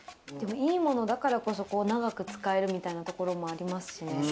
いいものだからこそ長く使えるみたいなところもありますしね。